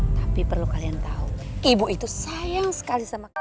tapi perlu kalian tahu ibu itu sayang sekali sama kalian